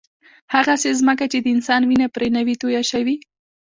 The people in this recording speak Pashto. هغسې ځمکه چې د انسان وینه پرې نه وي تویه شوې.